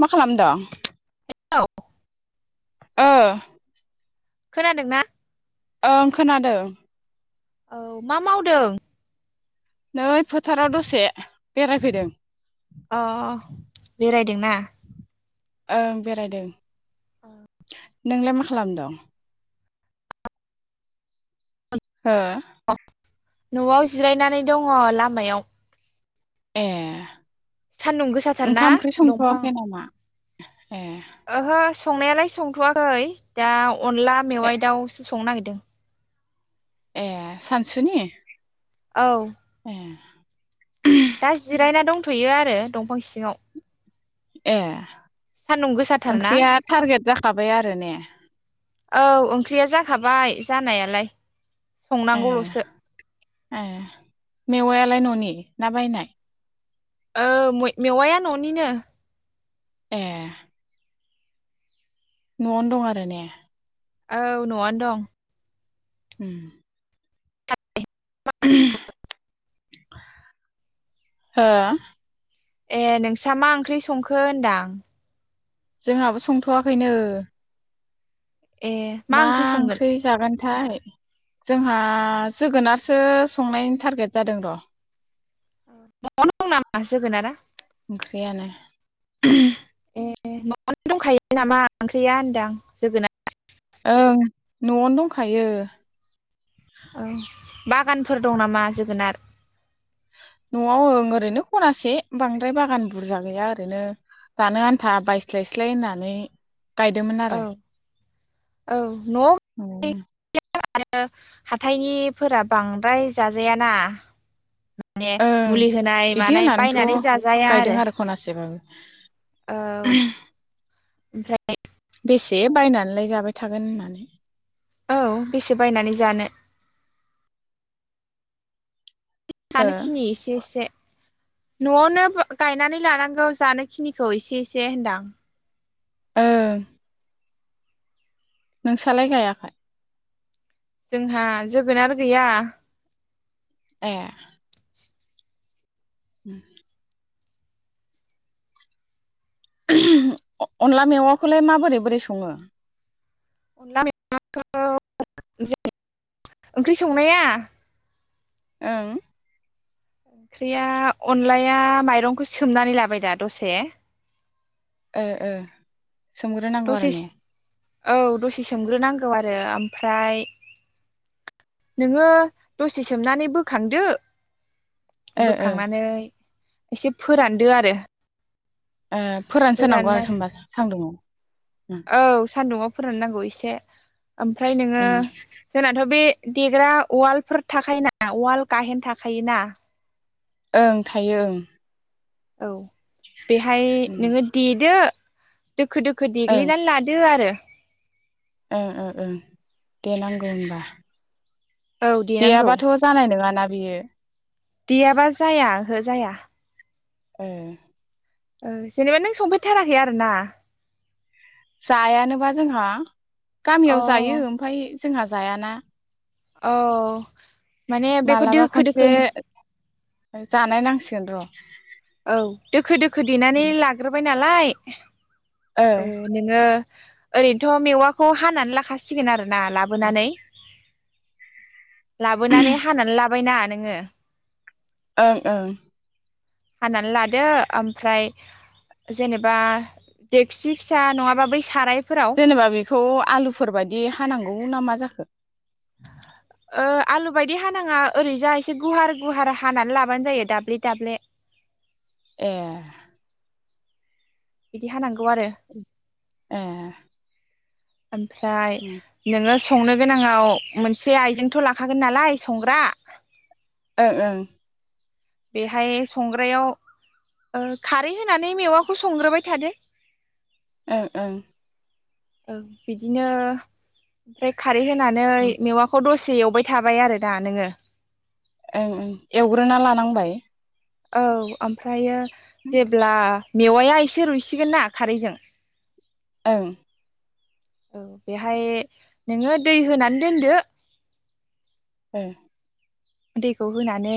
मा खालामदों? [unintelligible] ओ खोनादोंना? ओं खोनादों। औ मा मावदों? नै फोथाराव दसे बेरायफैदों अ बेरायदोंना ओं बेरायदों औ नोंलाय मा खालामदोंं? हो न'आव जिरायनानै दङ लामायाव। ए सान्दुं गोसाथारना ओंखाम ओंख्रि दंफां संथ'वाखै नामा? ए ओहो संनायालाय संथ'वाखै दा अनला ए मेवाइ दाउ संनो नागिरदों ए सानसुनि औ [inaudible] दा जिरायना दंथ'यो आरो दंफां सिङाव ए सान्दुं गोसाथारना ओंख्रिया टारगेट जाखाबाय आरो ने औ ओंख्रिया जाखाबाय जानायालाय ए संनांगौल'सो ए मेवायालाय न'नि ना बायनाय औ मेवाया न'निनो ए न'आवनो दं आरो ने औ न'आनो दं उम हो ए नोंस्रा मा ओंख्रि संखो होनदां जोंहाबो संथ'वाखैनो मा ओंख्रि जागोनथाय जोंहा जोगोनार सो संनायनि टारगेट जादों र' न'आवनो दं नामा जोगोनारा ओंख्रियानो ए माबानो दंखायो नामा ओंख्रिया होनदां जोगोना ओं न'आवनो दंखायो ओ बागानफोर दं नामा जोगोनार न'आव ओं ओरैनो खनासे बांद्राय बागान बुरजा गैया ओरैनो जानो आन्था बायस्लाय-स्लाय होननानै गायदोमोन औ आरो औ न'आवनो आरो हाथायनिफोरा बांद्राय जाजायाना माने ओं मुलि होनाय इदि मानाय होननानैथ' बायनानै जाजाया गायदों आरो खनासेबाबो औ ओमफ्राय बेसे बायनानलाय जाबाय थागोन होननानै औ बेसे बायनानै जानो हो जानोखिनि एसे- एसे न'आवनो गायनानै लानांगौ जानोखिनिखौ इसे -इसे होनदां ओं नोंसालाय गायाखै जोंहा जोगोनार गैया ए उम अनला मेवाखौलाय माबोरै बोरै सङो अनला मैवाखौ [inaudible] ओंख्रि संनाया ओं ओंख्रिया अनलाया माइरंखौ सोमनानै लाबाय दा दसे ओ -ओ सोमग्रोनांगौ आरो दसे ने औ दसे सोमग्रोनांगौ आरो ओमफ्राय नोङो दसे सोमनानै बोखांदो ओ ओ बोखांनानै एसे फोरानदो आरो ओ फोरानसोनांगौ फोरानना आरो होमबा सान्दुङाव औ सान्दुङाव फोराननांगौ इसे ओमफ्राय नोङो ओं जोंनाथ' बे देग्रा उवालफोर थाखायोना उवाल गाहेन थाखायोना ओं थायो ओं औ बेहाय उम नोङो देदो दोखो दोखो देग्लिनान लादो आरो ओ ओ ओ देनांगौ होमबा औ देनांगौ देयाबाथ' जानाय नोङाना बेयो देयाबा जाया ओहो जाया ओम ओ जेनेबा नों संफेरथाराखै आरोना जायानोबा जोंहा अ गामियाव जायो ओमफाय जोंहा जायाना औ माने बेखौ मालाबा दोखो खनसे दोखो जानाय नांसिगोन र' औ दोखो दोखो देनानै लाग्रोबाय नालाय ओ नोङो ओरैनोथ' मेवाखौ हानानै लाखासिगोन आरो ना लाबोनानै लाबोनानै हानानै लाबायना नोङो ओं ओं हानानै लादो ओमफ्राय जेनेबा देखसि फिसा नङाबा बै साराय जेनेबा बेखौ आलुफोर बायदि हानांगौ ना मा जाखो [inaudible] ओ आलु बायदि हानाङा ओरैजाय एसे गुवार गुवार हानानै लाबानो जायो दाब्ले दाब्ले ए बिदि हानां ए ओमफ्राय ओं नोङो संनो गोनाङाव मोनसे आइजेंथ' लाखागोन नालाय संग्रा। ओं ओं। बेहाय संग्रायाव ओ खारै होनानै मेवाखौ संग्रोबाय थादो। ओं ओं। औ बिदिनो ओमफ्राय खा यै होनानै मेवाखौ दसे एवबाय थाबाय आरो ना नोङो। ओंं ओं एवग्रोना लानांबाय। औ ओमफ्रायो जेब्ला मेवाया एसे रुइसिगोन ना खारैजों। ओं। औ बेहाय नोङो दै होनानै दोनदो। ओम। दैखौ होनानै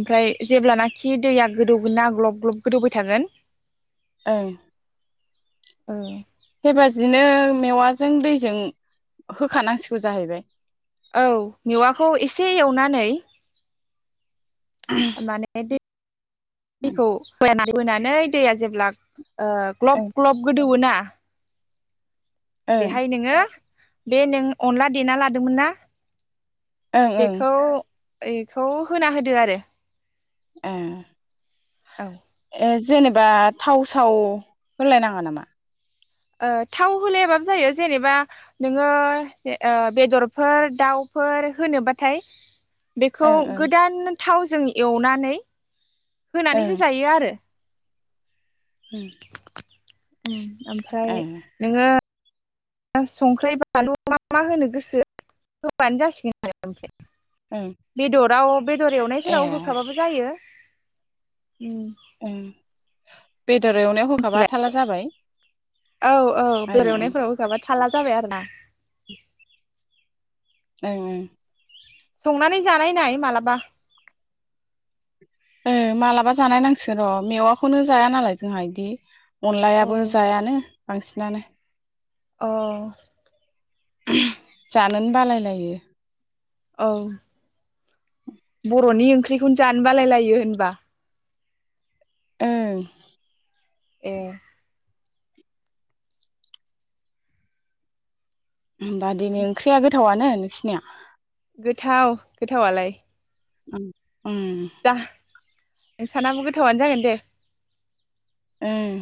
ओमफ्राय जेब्लानाखि दैया गोदौगोन ना ग्लब ग्लब गोदौबाय थागोन ओं। ओं। बेबादिनो मेवाजों दैजों होखानांसिगौ जाहैबाय। औ मेवाखौ एसे एवनानै माने दै ओं दैखौ [unintelligible] होनानै दैया जेब्ला ओ ग्लब ओं ग्लब गोदौवो ना। आह। ओं बेहाय नोङो बे नों अनला देना लादोंमोन ना। ओं बेखौ बेखौ होना होदो आरो। ओं। औ। ए जेनेबा थाव साव होलायनाङा नामा? ओ थाव होलायाबाबो जायो जेनेबा नोङो ओ बेदरफोर दाउफोर होनोबाथाय बेखौ ओं ओं गोदान थाव जों एवनानै होनानै होजायो आरो। उम। उम। ओमफ्राय नोङो संख्रि बानलु मा मा होनो गोसो होबानो जासिगोन आरो ओमफ्राय ओं बेदराव बेदर ए एवनायफोराव होखाबाबो जायो। उम ओं बेदर एवनाय होखाबा मिथिबाय थाला जाबाय। औ औ ओं बेदर ओं एवनायफोराव होखाबा थाला जाबाय आरोना ओं ओं संनानै जानाय नाय मालाबा ओं मालाबा जानाय नांसिगोन र'। मेवाखौनो जाया नालाय जोंहा इदि औ अनलायाबो जायानो बांसिनानो अ जानोनो बालायलायो औ। बर'नि ओंख्रिखौनो जानो बालाय लायो होनबा। ओं। ए। होमबा दिनै ओंख्रिया गोथावानो। नोंसोनिया। गोथाव गोथावालाय। उम उम। नों सानाबो गोथावानो जागोन दे। उम।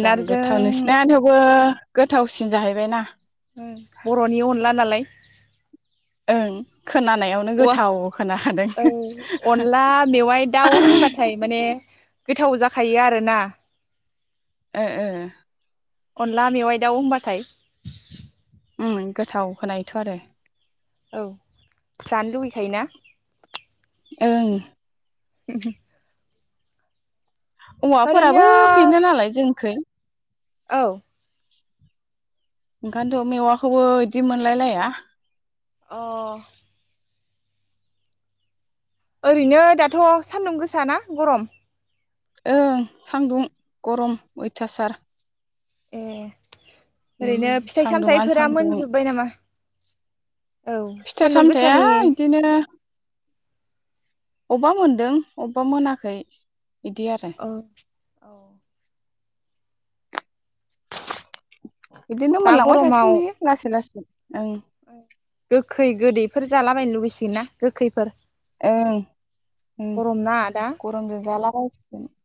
जां गोथाव नोंसना थेवबो। गोथावसिन जाहैबाय ना। बर'नि अनला नालाय ओं खोनानायावनो औवा गोथाव खोनाखादों। अनला मेवाइ दाउ होनबाथाय माने गोथाव जाखायो आरोना। ओ ओ। अनला मेवाइ दाउ होनबाथाय। उम गोथाव खोनायोथ' आरो। औ जानो लुुबैखायोना। ओं। बि औवाफोराबो ओरैनो बेनो नालाय जोंखै। औ। ओंखायथ' मेवाखौबो बिदि मोनलायलाया। अ। ओरैनो दाथ' सानदुं गोसाना गरम। ओं सान्दुं गरम अयथासार। ए। ओरैनो फिथाइ सान्दुंआनो सामथायाइफोरा सान्दुं मोनजोब्बाय नामा औ फिथाइ सानदुं सामथाइया गोसानि। बिदिनो अबेबा मोनदों अबेबा मोनाखै। बिदि आरो औ औ [inaudible] बिदिनो मोनलांबाय थासो बि लासै लासै। ओं ओं गोखै गोदै। बेफोर जालाबायनो लुबैसिगोन ना गोखैफोर। ओं उम गरम ना दा गरमजों जाला। [unintelligible]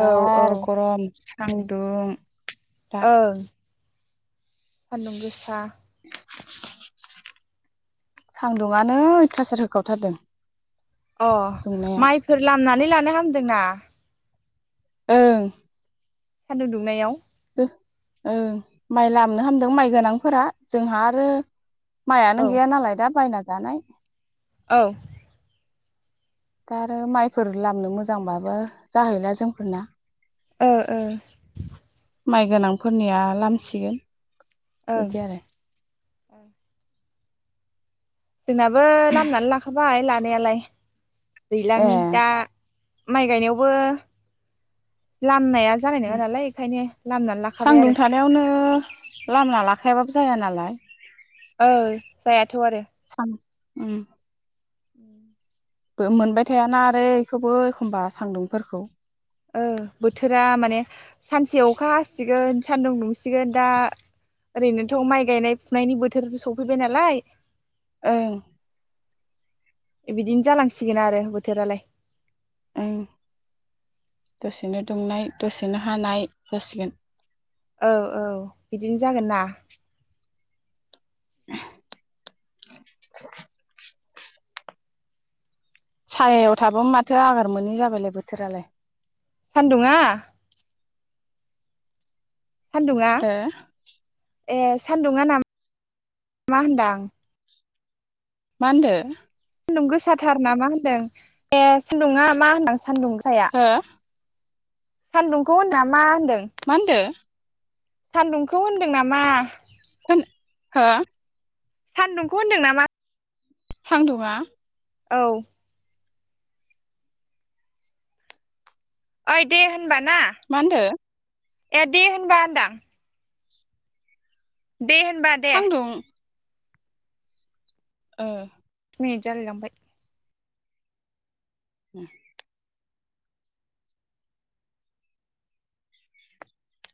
औ औ गरम। सान्दुं दा ओ सान्दुं गोसा सान्दुङानो अयथासार होखावथारदों अ दुंनाया माइफोर लामनानै लानो हामदोंना ओं सान्दुं दुंनायाव ओ माइ लामनो हामदों माइ गोनांफोरा जोंहा आरो औ माइआनो गैया नालाय दा बायना जानाय औ दा आरो माइफोर लामनो मोजांबाबो जाहैला जोंफोरना ओ ओ माइ गोनांफोरनिया लामसिगोन एदि आरो ओं जोंनाबो लामनानै लाखाबाय लानायालाय ए दैलांनि दा माइ गायनायावबो लामनाया जानाय नङा नालाय बेखायनो लामनानै लाखाबाय आरो सान्दुं थानायावनो लामना लाखायाबाबो जाया ना लाय ओ जायाथ' आरो सां उम उम बो मोनबाय थायाना आरो बेखौबो एखमबा सान्दुंफोरखौ ओ बोथोरा माने सानसे अखा हासिगोन सानदुं दुंसिगोन दा ओरैनोथ' माइ गायनाय फुनायनि बोथोर सफैबाय नालाय ओं बिदिनो जालांसिगोन आरो बोथोरालाय ओं दसेनो दुंनाय दसेनो हानाय जासिगोन औ औ बिदिनो जागोन ना [inaudible] [inaudible] साहायाव थाबाबो माथो आगोर मोनि जाबायलाय बोथोरालाय सान्दुंङा सान्दुङा हो ए सान्दुङा ना मा होनदां मा होनदो सान्दुं गोसाथार ना मा होन्दों ए सान्दुङा मा होनां सान्दुं गोसाया हो सान्दुंखौ हो‌न नामा मा होनदो सान्दुंखौ होनदों नामा? सान हो सान्दुंखौ होनदों नामा। सांदुङा औ ओइ दे होनबा ना। मा होनदो। एदि होनबा होनदां। दे होनबा दे। सान्दुं ओ मे जालायलांबाय उ